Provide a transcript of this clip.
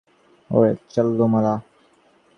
ওরে চাল্লু মাল!